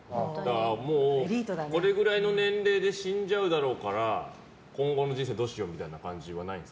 もうこれぐらいの年齢で死んじゃうだろうから今後の人生どうしようみたいな感じはないんすか？